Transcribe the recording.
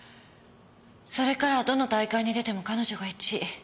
それからはどの大会に出ても彼女が１位。